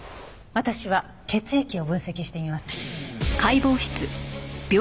私は血液を分析してみます。